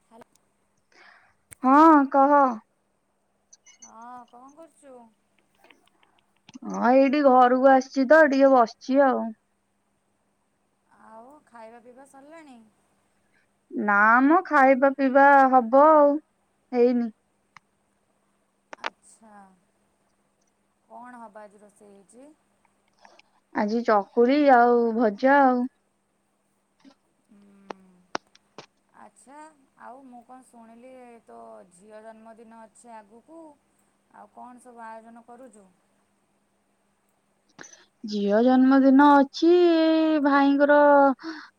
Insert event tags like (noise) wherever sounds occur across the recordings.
Hello. ହଁ କହ? ହଁ କଣ କରୁଛୁ? ହଁ ଏଇଠି ଘରକୁ ଆସିଛି ତ ଟିକେ ବସିଛି ଆଉ ଆଉ ଖାଇବା ପିଇବା ସରିଲାଣି। ନା ମ ଖାଇବା ପିଇବା ହବ ଆଉ ହେଇନି। ଆଚ୍ଛା କଣ ହେବ ଆଜି ରୋଷେଇ ହେଇଛି? ଆଜି ଚକୁଳି ଆଉ ଭଜା ଆଉ। ହୁଁ। ଆଚ୍ଛା ଆଉ ମୁଁ କଣ ଶୁଣିଲି ତୋ ଝିଅ ଜନ୍ମଦିନ ଅଛି ଆଗକୁ ଆଉ କଣ ସବୁ ଆୟୋଜନ କରୁଛୁ? ଝିଅ ଜନ୍ମଦିନ ଅଛି ଭାଇଙ୍କର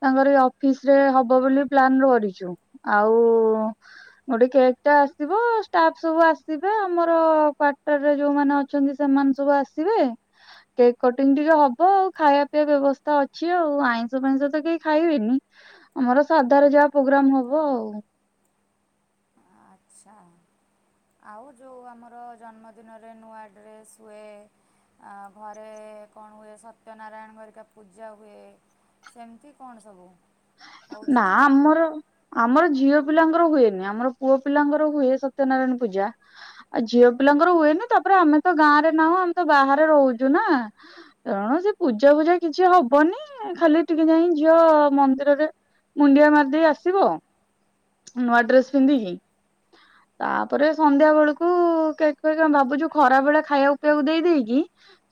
ତାଙ୍କର ଏଇ ଅଫିସରେ ହବ ବୋଲି ପ୍ଲାନ କରିଛୁ ଆଉ ଗୋଟେ କେକ୍ ଟା ଆସିବ ଷ୍ଟାଫ ସବୁ ଆସିବେ ଆମର କ୍ଵାର୍ଟରରେ ଯୋଉମାନେ ଅଛନ୍ତି ସେମାନେ ସବୁ ଆସିବେ। କେକ୍ କଟିଂ ଟିକେ ହବ ଆଉ ଖାଇବା ପିଇବା ବ୍ୟବସ୍ଥା ଅଛି ଆଉ ଆଇଁଷ ଫାଇଁଷ ତ କେହି ଖାଇବେନି? ଆମର ସାଧାରେ ଯାହା ପ୍ରୋଗ୍ରାମ ହବ ଆଉ। ଆଚ୍ଛା ଆଉ ଯୋଉ ଆମର ଜନ୍ମଦିନରେ ନୂଆ ଡ୍ରେସ୍ ହୁଏ। ଆଉ ଘରେ କଣ ହୁଏ ସତ୍ୟନାରାୟଣ ହରିକା ପୂଜା ହୁଏ। ସେମିତି କଣ ସବୁ? ହେଉଛି ନାଁ ନା ନାହିଁ? ଆମର ଆମର ଝିଅ ପିଲାଙ୍କର ହୁଏନି ଆମର ପୁଅ ପିଲାଙ୍କର ହୁଏ ସତ୍ୟ ନାରାୟଣ ପୂଜା। ଆଉ ଝିଅ ପିଲାଙ୍କର ହୁଏନି ତାପରେ ଆମେ ତ ଗାଁ ରେ ନାହୁଁ ଆମେ ତ ବାହାରେ ରହୁଛୁ ନା? ତ ସେ ପୂଜା ଫୂଜା କିଛି ହବନି ଖାଲି ଟିକେ ଯାଇ ଝିଅ ମନ୍ଦିର ମୁଣ୍ଡିଆ ମାରିଦେଇ ଆସିବ ନୂଆ ଡ୍ରେସ ପିନ୍ଧିକି। ହଁ (unintelligible) ତାପରେ ସନ୍ଧ୍ୟା ବେଳକୁ କେକ୍ ଫେକ୍ ଭାବୁଛୁ ଖରାବେଳେ ଖାଇବା ପିବାକୁ ଦେଇଦେଇକି।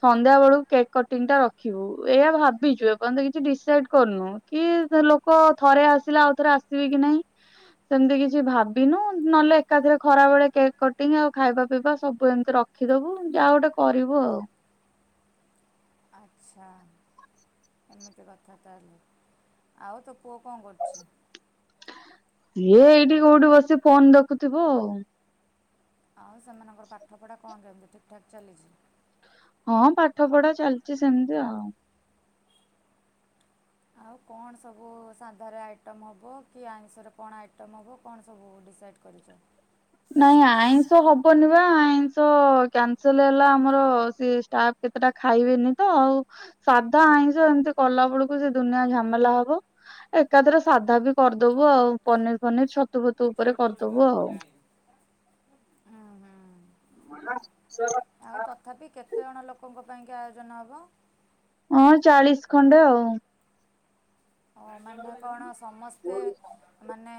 ସନ୍ଧ୍ୟା ବେଳକୁ କେକ୍ କଟିଂ ଟା ରଖିବୁ ଏଇ ଭାବିଛୁ ଏପଯ୍ୟନ୍ତ କିଛି ଡିସାଇଡ କରନୁ କି ଲୋକ ଥରେ ଆସିଲା ଆଉ ଥରେ ଆସିବେ କି ନାଇଁ? ସେମିତି କିଛି ଭାବିନୁ ନହେଲେ ଏକାଥରେ ଖରାବେଳେ କେକ୍ କଟିଂ ଆଉ ଖାଇବା ପିଇବା ସବୁ ଏମିତି ରଖ ରଖିଦବୁ ଯାହା ଗୋଟେ କରିବୁ ଆଉ ଆଚ୍ଛା ଏମିତି କଥା ତାହାଲେ ଆଉ ତୋ ପୁଅ କଣ କରୁଛି? ସିଏ ଏଇଠି କୋଉଠି ବସି ଫୋନ ଦେଖୁଥିବ ଆଉ? ଆଉ ସେମାନଙ୍କ ପାଠପଢ଼ା କଣ କେମିତି ଠିକ୍ ଠାକ୍ ଚାଲିଛି? ହଁ ପାଠ ପଢା ଚାଲିଛି ସେମିତି ଆଉ। ଆଉ କଣ ସବୁ ସାଧାରେ ଆଇଟମ୍ ହବ କି ଆଇଁଷରେ କଣ ଆଇଟମ୍ ହବ କଣ ସବୁ ଡିସାଇଡ୍ କରିଛ। ନାଇଁ ଆଇଁଷ ହବନି ବା ଆଇଁଷ କ୍ୟାନସେଲ ହେଲା ଆମର ସେ ଷ୍ଟାଫ୍ କେତେଟା ଖାଇବେନି ତ ଆଉ ସାଧା ଆଇଁଷ ଏମିତି କଲା ବେଳକୁ ସେ ଦୁନିଆ ଝାମେଲା ହବ ଏକାଥରେ ସାଧା ବି କରିଦବୁ ଆଉ ପନିର ଫନିର ଛତୁ ଫତୁ ଉପରେ ହୁଁ ହୁଁ କରଦବୁ ଆଉ। (unintelligible) ଆଉ ତଥାପି କେତେଜଣ ଲୋକଙ୍କ ପାଇଁକି ଆୟୋଜନ ହବ? ହଁ ଚାଳିଶ ଖଣ୍ଡେ ଆଉ। ହଁ ମାନେ କଣ ସମସ୍ତେ ମାନେ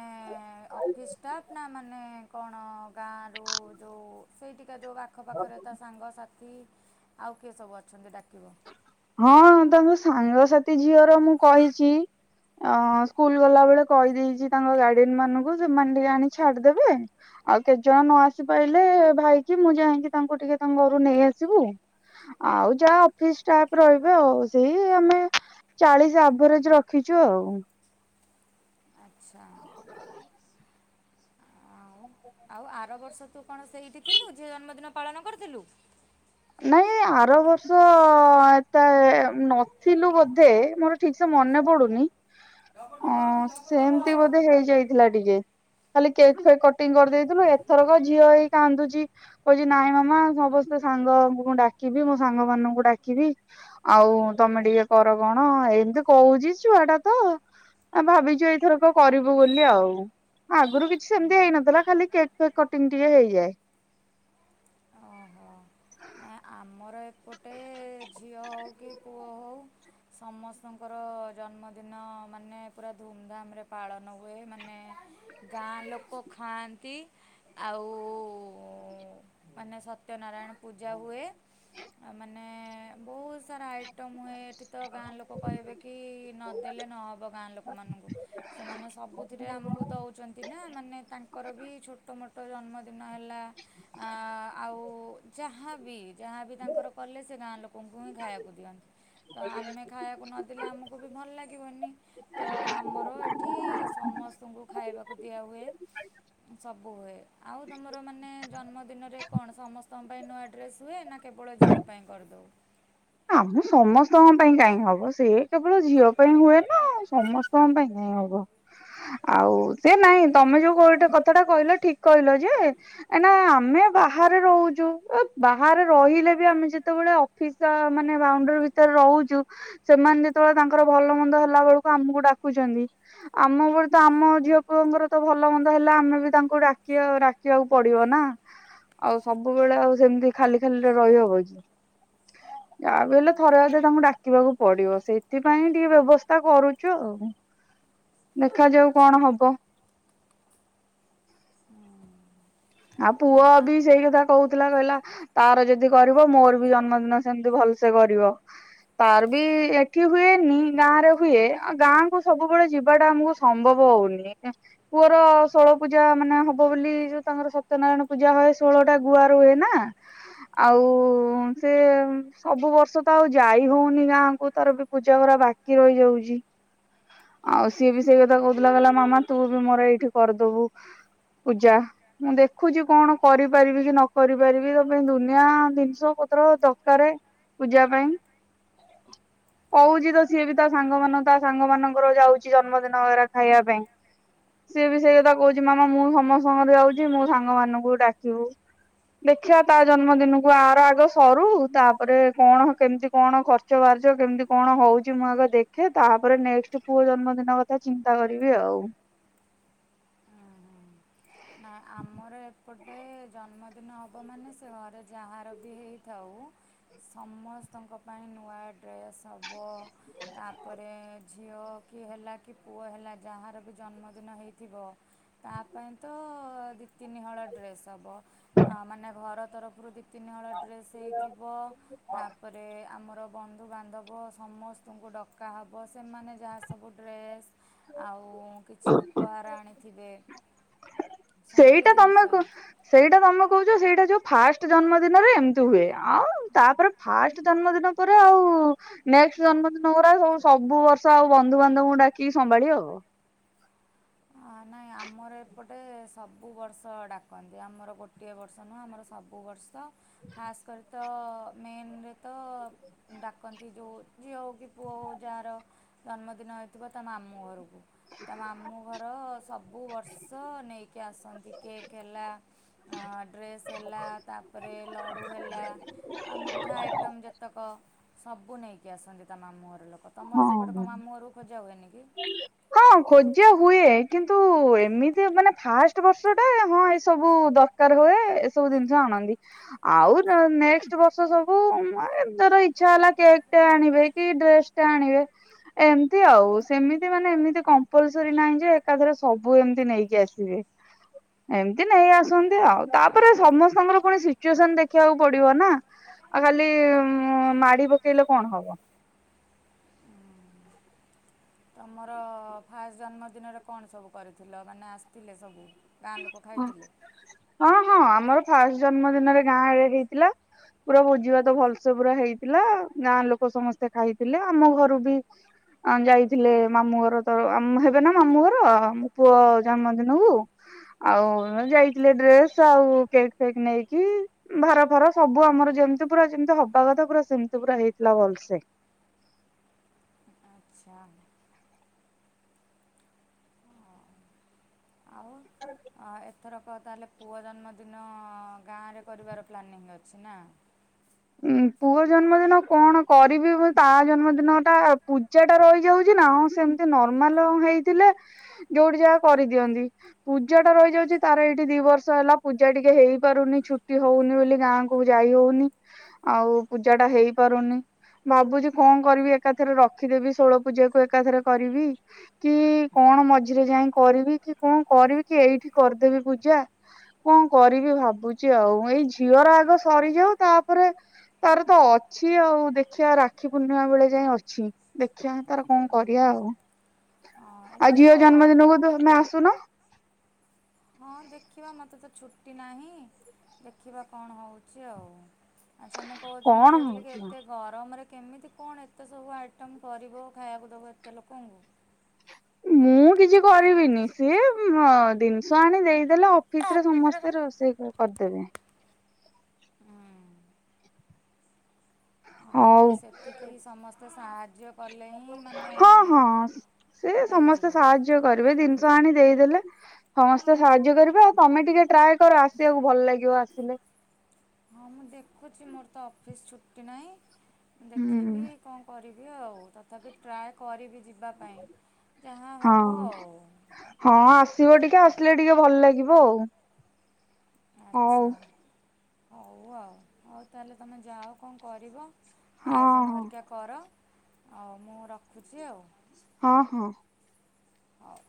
ଅଫିସ୍ ଷ୍ଟାଫ୍ ନା ମାନେ କଣ ଗାଆଁ ରୁ ଯୋଉ ସେଇଠିକା ଯୋଉ ଆଖ ପାଖରେ ତା ସାଙ୍ଗ ସାଥ୍ ଥି ଆଉ କିଏ ସବୁ ଅଛନ୍ତି ଡାକିବ? ହଁ ତାଙ୍କ ସାଙ୍ଗସାଥି ଝିଅର ମୁଁ କହିଛି ଅ ସ୍କୁଲ ଗଲା ବେଳେ କହିଦେଇଛି ତାଙ୍କ ଗାର୍ଡିଆନ ମାନଙ୍କୁ ସେମାନେ ଟିକେ ଆଣି ଛାଡିଦେବେ। ଆଉ କେତେ ଜଣ ନ ଆସି ପାରିଲେ ଭାଇ କି ମୁଁ ଯାଇକି ତାଙ୍କୁ ଟିକେ ତାଙ୍କ ଘରୁ ନେଇ ଆସିବୁ। ଆଉ ଯାହା ଅଫିସ୍ ଷ୍ଟାଫ୍ ରହିବେ ଆଉ ସେଇ ଆମେ ଚାଳିଶ ଆଭରେଜ ରଖିଛୁ ଆଉ। ଆଚ୍ଛା। ଆଉ ଆଉ ଆର ବର୍ଷ ତୁ କଣ ସେଇଠି ଥିଲୁ ଝିଅ ଜନ୍ମଦିନ ପାଳନ କରିଥିଲୁ? ନାଇଁ ଆର ବର୍ଷ ଏତେ ନଥିଲୁ ବୋଧେ ମୋର ଠିକ ସେ ମନେ ପଡୁନି ଓହୋ ଅ ସେମତି ବୋଧେ ହେଇଯାଇ ଥିଲା ଟିକେ ଖାଲି କେକ୍ ଫେକ୍ କଟିଂ କରିଦେଇଥିଲୁ ଏଥରକ ଝିଅ ହେଇ କାନ୍ଦୁଛି କହୁଛି ନାଇଁ ମାମା ସମସ୍ତେ ସାଙ୍ଗଙ୍କୁ ଡାକିବି ମୋ ସାଙ୍ଗ ମାନଙ୍କୁ ଡାକିବି ଆଉ ତମେ ଟିକେ କର କଣ ଏମିତି କହୁଛି ଛୁଆ ଟା ତ ଆ ଭାବିଛୁ ଏଇଥରକ କରିବୁ ବୋଲି ଆଉ। ଆଗରୁ କିଛି ସେମତି ହେଇନଥିଲା ଖାଲି କେକ୍ ଫେକ୍ କଟିଂ ଟିକେ ହେଇଯାଏ। ଓହୋ। ଆମର ଏପଟେ ଝିଅ ହଉ କି ପୁଅ ହଉ ସମସ୍ତଙ୍କର ଜନ୍ମଦିନ ମାନେ ପୁରା ଧୁମଧାମରେ ପାଳନ ହୁଏ। ମାନେ ଗାଁ ଲୋକ ଖାଆନ୍ତି ଆଉ ମାନେ ସତ୍ୟନାରାୟଣ ପୂଜା ହୁଏ ଆ ମାନେ ବହୁତ୍ ସାରା ଆଇଟମ୍ ହୁଏ ଏଠି ତ ଗାଁ ଲୋକ କହିବେ କି ନଦେଲେ ନହବ ଗାଁ ଲୋକମାନଙ୍କୁ ସେମାନେ ସବୁଥିରେ ଆମକୁ ଦଉଛନ୍ତି ନା ମାନେ ତାଙ୍କର ବି ଛୋଟ ମୋଟ୍ ଟ ଜନ୍ମଦିନ ହେଲା ଆ ଆଉ ଯାହା ବି ଯାହାବି ତାଙ୍କର କଲେ ସେ ଗାଁ ଲୋକଙ୍କୁ ହିଁ ଖାଇବାକୁ ଦିଅନ୍ତି। ତ ଆମେ ଖାଇବାକୁ ନଦେଲେ ଆମକୁ ବି ଭଲ ଲାଗିବନି। ତ ଆମର ଏଠି ସମସ୍ତଙ୍କୁ ଖାଇବାକୁ ଦିଆହୁଏ। ସବୁ ହୁଏ ଆଉ ତମର ମାନେ ଜନ୍ମଦିନରେ କଣ ସମସ୍ତଙ୍କ ପାଇଁ ନୂଆ ଡ୍ରେସ୍ ହୁଏ ନା କେବଳ ଝିଅ ପାଇଁ କରିଦେଉ? ଆମ ସମସ୍ତଙ୍କ ପାଇଁ କାହିଁକି ହବ ସେ କେବଳ ଝିଅ ପାଇଁ ହୁଏ ନା ସମସ୍ତ କଣ ପାଇଁ ନାଇଁ ହବ ଆଉ ସେ ନାଇଁ ତମେ ଯୋଉ ଗୋଟେ କଥା ଟା କହିଲ ଠିକ୍ କହିଲ ଯେ ଏଇନା ଆମେ ବାହାରେ ରହୁଛୁ ଏ ବାହାରେ ରହିଲେ ବି ଆମେ ଯେତେବେଳେ ଅଫିସ୍ ମାନେ ବାଉଣ୍ଡରୀ ଭିତରେ ରହୁଛୁ ସେମାନେ ଯେତେବେଳେ ତାଙ୍କର ଭଲ ମନ୍ଦ ହେଲା ବେଳକୁ ଆମକୁ ଡାକୁଛନ୍ତି। ଆମ ଉପରେ ତ, ଆମ ଝିଅ ପୁଅଙ୍କର ତ ଭଲ ମନ୍ଦ ହେଲେ ଆମେ ବି ତାଙ୍କୁ ଡାକିବା, ଡାକ ଦେଖିବାକୁ ପଡିବ ନା, ଆଉ ସବୁବେଳେ ଆଉ ସେମିତି ଖାଲି ଖାଲି ରେ ରହିହବ କି? ଯାହା ବି ହେଲେ ଥରେ ଅଧେ ତାଙ୍କୁ ଡାକିବାକୁ ପଡିବ, ସେଇଥିପାଇଁ ଟିକେ ବ୍ୟବସ୍ଥା କରୁଚୁ ଆଉ। ହ ଦେଖାଯାଉ କଣ ହବ? ଆଉ ପୁଅ ନାଇଁ ଆ- ବି ସେଇ କଥା କୋହୁଥିଲା କହିଲା ତାର ଯଦି କରିବ, ମୋର ବି ଜନ୍ମଦିନ ସେମିତି ଭଲସେ କରିବ। ତାର ବି ଏଠି ହୁଏନି ଗାଁ ରେ ହୁଏ, ଆ ଗାଁ କୁ ସବୁବେଳେ ଯିବାଟା ଆମକୁ ସମ୍ଭବ ହୋଉନି, ପୁଅର ଷୋଳ ପୂଜା ମାନେ ହବ ବୋଲି ଯୋଉ ତାଙ୍କର ସତ୍ୟନାରାୟଣ ପୂଜା ହଏ, ଷୋଳଟା ଗୁଆ ରୁଏ ନା? ଆଉ ସେ ସବୁ ବର୍ଷ ତ ଆଉ ଯାଇ ହୋଉନି ଗାଁକୁ, ତା ପରେ ବି ପୂଜା ଗୁରା ବାକି (unintelligible) ରହିଯାଉଛି। (unintelligible) ଆଉ ସିଏ ବି ସେଇ କଥା କୋହୁଥିଲା କହିଲା ମାମା ତୁ ବି ମୋର ଏଇଠି କରିଦବୁ। ପୂଜା ମୁଁ ଦେଖ ଦେଖୁଛି କଣ କରିପାରିବି କି ନ କରି ପାରିବି ତା ପାଇଁ ଦୁନିଆ ଜିନିଷ ପତ୍ର ଦରକାର। ପୂଜା ପାଇଁ। (unintelligible) କୋହୁଚି ତ ସିଏ ବି ତା ସାଙ୍ଗ ମାନ ତା ସାଙ୍ଗ ମାନଙ୍କର ଯାଉଛି ଜନ୍ମଦିନ ଏରା ଖାଇବା ପାଇଁ। ସିଏ ବି ସେଇ କଥା କୋହୁଛି, ମାମା ମୁଁ ସମସ୍ତଙ୍କର ଯାଉଛି ମୋ ସାଙ୍ଗ ମାନଙ୍କୁ ଡାକିବୁ। ଦେଖିବା ତା ଜନ୍ମଦିନକୁ ଆର ଆଗ ସରୁ, ତାପରେ କଣ କେମିତି କଣ କର ଖର୍ଚ ବାର୍ଚ କେମିତି କଣ ହୋଉଚି ମୁଁ ଆଗ ଦେଖେ, ତାପରେ ନେକ୍ସ ପୁଅ ଜନ୍ମଦିନ କଥା ଚିନ୍ତା କରିବି ଆଉ। ନାଇଁ ଆମର ଏ ଗୋଟେ ଜନ୍ମଦିନ ହବ ମାନେ ସେ ଘରେ ଯାହାର ବି ହେଇଥାଉ ସମସ୍ତଙ୍କ ପାଇଁ ନୂଆ ଡ୍ରେସ୍ ହବ, ତାପରେ ଝିଅ କି ହେଲା କି ପୁଅ ହେଲା ଯାହାର ବି ଜନ୍ମଦିନ ହେଇଥିବ, ତା ପାଇଁ ଅଁ ଦି ତିନିହଳ ଡ୍ରେସ ହବ, ମାନେ ଘର ତରଫରୁ ଦି ଦି ତିନି ହଳ ଡ୍ରେସ୍ ହେଇଥିବ-ଅ, ତାପରେ ଆମର ବନ୍ଧୁବାନ୍ଧବ ସମସ୍ତଙ୍କୁ ଡକାହବ, ସେମାନେ ଯାହା ସବୁ ଡ୍ରେସ୍ ଆଉ କିଛି ଉପହାର ଆଣିଥିବେ ସବୁ ସେଇଟା ତମେ ଜିନିଷ କ ସେଇଟା ତମେ କହୁଛ ସେଇଟା ଯୋଉ ଫାଷ୍ଟ ଜନ୍ମ ଦିନରେ ଏମିତି ହୁଏ, ଆଉ ତାପରେ ଫାଷ୍ଟ ଜନ୍ମଦିନ ପରେ ଆଉ ନେକ୍ସଟ ଜନ୍ମଦିନ ଗୁରା ସ ସବୁ ବର୍ଷ ଆଉ ବନ୍ଧୁବାନ୍ଧବଙ୍କୁ ଡାକିକି ସମ୍ଭାଳି ହବ? ଆ ନାଇ ଆମର ଏପଟେ ସବୁ ବର୍ଷ ଡାକନ୍ତି, ଆମର ଗୋଟିଏ ବର୍ଷ ନୁହିଁ ଆମର ସବୁ ବର୍ଷ ଖାସ କରି ତ ମେନରେ ତ ଡାକନ୍ତି ଯୋଉ ଝିଅ ହୋଉ କି ପୁଅ ହୋଉ ଯାହାର ଜନ୍ମଦିନ ହେଇଥିବ ତା ମାମୁଁ ଘରୁକୁ, ତା ମାମୁଁ ତ ସବୁ ବର୍ଷ ନେଇକି ଆସନ୍ତି, କେକ୍ ହେଲା ଡ୍ରେସ୍ ହେଲା, ତାପରେ ଲଡ଼ୁ ହେଲା ଆ ମିଠା ଆଇଟମ୍ ଯେତେକ, ସବୁ ନେଇକି ଆସନ୍ତି ତା ମାମୁଁ ଘର ଲୋକ। ତମର ସେପଟେ ହଁ କଅ ମାମୁଁ ଘରକୁ ଖୋଜା ହୁଏନି କି? ହଁ ଖୋଜା ହୁଏ, କିନ୍ତୁ ଏମିତି ମାନେ ଫାଷ୍ଟ ବର୍ଷ ଟା ହଁ ଏସବୁ ଦରକାର ହୁଏ ଏସବୁ ଜିନିଷ ଆଣନ୍ତି ଆଉ ନ ବର୍ଷ ସବୁ ଛ ହେଲା କେକ୍ ଟେ ଆଣିବେ କି ଡ୍ରେସ୍ ଟେ ଆଣିବେ ଏମତି ଆଉ ସେମିତି ମାନେ ଏମିତି କମ୍ପଲସରୀ ନାହିଁ ଯେ ଏକାଥରେ ସବୁ ଏମିତି ନେଇକି ଆସ କିଏ? ଏମିତି ନେଇ ଆସନ୍ତି ଆଉ ତାପରେ ସମସ୍ତଙ୍କର ପୁଣି ସିଚୁଏସନ ଦେଖିବାକୁ ପଡିବ ନା। ଆଉ ଖାଲି ଉ ମାଡି ପକେଇଲେ କଣ ହବ? ତମର ଫାଷ୍ଟ ଜନ୍ମଦିନରେ କଣ ସବୁ କରିଥିଲ ମାନେ ଆସିଥିଲେ ସବୁ? ଗାଁ ଲୋକ ଖାଇଥିଲେ? ହଁ ହଁ ଆମର ଫାଷ୍ଟ ଜନ୍ମ ଦିନରେ ଗାଁ ଆଳି ହେଇଥିଲା। ପୁରା ଭୋଜି ଭାତ ଭଲସେ ପୁରା ହେଇଥିଲା ଗାଁ ଲୋକ ସମସ୍ତେ ଖାଇଥିଲେ ଆମ ଘରୁ ବି ଯାଇଥିଲେ ମାମୁଁ ଘର ତ ହେବେ ନା ମାମୁଁ ଘର ମୋ ପୁଅ ଜନ୍ମଦିନକୁ ଆଉ ଯାଇଥିଲେ ଡ୍ରେସ ଆଉ କେକ୍ ଫେକ୍ ନେଇକି ଭାର ଫାର ସବୁ ଆମର ଯେମିତି ପୁରା ଯେମିତି ହବା କଥା ପୁରା ସେମିତି ପୁରା ହେଇଥିଲା ଭଲସେ। ଆଚ୍ଛା। ହଁ ଆଉ ଏ ଥରକ ତାହେଲେ ପୁଅ ଜନ୍ମଦିନ ଗାଁରେ କରିବାର ପ୍ଲାନିଂ ଅଛି ନା। ଉଁ ପୁଅ ଜନ୍ମଦିନ କଣ କରିବି ମୁ ତା ଜନ୍ମଦିନ ଟା ପୂଜା ଟା ରହିଯାଉଛି ନା ହଁ ସେମ ସେ ନର୍ମାଲ ହେଇଥିଲେ ଯୋଉଠି ଯାହା କରିଦିଅନ୍ତି। ପୂଜା ଟା ରହିଯାଉଛି ତାର ଏଇଠି ଦି ବର୍ଷ ହେଲା। ପୂଜା ଟିକେ ହେଇ ପାରୁନି ଛୁଟି ହଉନି ବୋଲି ଗାଁ କ ଯାଇ ହଉନି। ଆଉ ପୂଜା ଟା ହେଇପାରୁନି। ଭାବୁଛି କଣ କରିବି ଏକାଥରେ ରଖିଦେବି ଷୋଳ ପୂଜା କୁ ଏକାଥରେ କରିବି। କି କଣ ମଝିରେ ଯାଇ କରିବି କି କଣ କରିବି କି ଏଇଠି କରିଦେବି ପୂଜା। କଣ କରିବି ଭାବୁଛି ଆଉ ଏଇ ଝିଅର ଆଗ ସରିଯାଉ ତା ପରେ ତାର ତ ଅଛି ଆଉ ଦେଖିବା ରାକ୍ଷୀ ପୂର୍ଣ୍ଣିମା ବେଳେ ଯାଏ ଅଛି। ଦେଖିବା ତାର କଣ କରିବା ଆଉ ହଁ ଆଉ ଏତେ ଝିଅ ଗର ଜନ୍ମଦିନକୁ ତ ତମେ ଆସୁନ। ହଁ ଦେଖିବା ମୋତେ ତ ଛୁଟି ନାହିଁ ଦେଖିବା କଣ ହେଉଛି ଆଉ। ଆଚ୍ଛା ମୁଁ କହୁଥିଲି ମୁଁ କଣ କହୁଥିଲି କି ହଉଛି ଏତେ ଗରମରେ କେମିତି କଣ ଏତେ ସବୁ ଆଇଟମ୍ କରିବ ଖାଇବାକୁ ଦେବ ଏତେ ଲୋକଙ୍କୁ? ମୁଁ କିଛି କରିବିନି ସିଏ ଜିନିଷ ଆଣି ଦେଇଦେଲେ ଫିସ ରେ ସମସ୍ତେ ରୋଷେଇ କରିଦେବେ। ହଁ। ହଁ ହଉ ନାଇଁ ସେତିକି ସମସ୍ତେ ସାହାଯ୍ୟ କଲେ ହିଁ ମାନେ ହଁ ହଁ ସେ ସମସ୍ତେ ହେଇଯିବ ସାହାଯ୍ୟ କରିବେ ଜିନିଷ ଆଣି ଦେଇଦେଲେ ସମସ୍ତେ ସାହାଯ୍ୟ କରିବେ ଆଉ। ତମେ ଟିକେ ଟ୍ରାଏ କର ଆସିବାକୁ ଭଲ ଲାଗିବ ଆସିଲେ। ହଁ ମୁଁ ଦେଖୁଛି ମୋର ତ ଅଫିସ୍ ଛୁଟି ନାହିଁ। ହୁଁ ଦେଖିବି କଣ କରିବି ଆଉ ତଥାପି ଟ୍ରାଏ କରିବି ଯିବି। ଯିବା ପାଇଁ ଯାହା ହଁ ହବ ଆଉ। ହଁ ଆସିବ ଟିକେ ଆସିଲେ ଟିକେ ଭଲ ଲାଗିବ ଆଉ। ଆଚ୍ଛା ହଉ ଆଉ ହଉ ତାହେଲେ ତୁମେ ଯାଅ କଣ କରିବ। ହଉ ହଁ ଆୟୋଜନ ହେରିକା କର ଆଉ ମୁଁ ରଖୁଛି ଆଉ। ହଁ ହଁ। ହଉ।